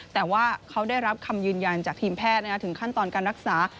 แต่ว่าเขาได้รับคำยืนยันจากทีมแพทย์ถึงขั้นตอนการรักษา